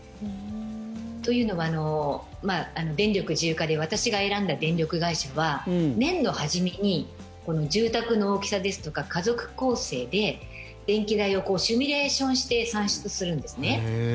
というのが、電力自由化で私が選んだ電力会社は年の初めに住宅の大きさですとか家族構成で電気代をシミュレーションして算出するんですね。